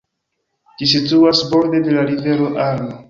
Ĝi situas borde de la rivero Arno.